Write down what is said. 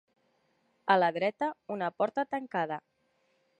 A la dreta una porta tancada.